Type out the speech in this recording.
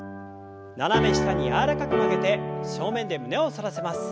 斜め下に柔らかく曲げて正面で胸を反らせます。